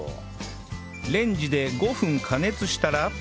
レンジで５分加熱したら